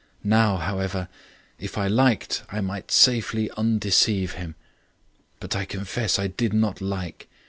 Now, however, if I liked I might safely undeceive him. "But I confess I did not like.